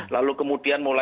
lalu kemudian mulai